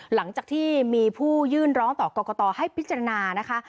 หลังจากที่มีผู้ยื่นร้องต่อกรกตให้พิจารณานะคะ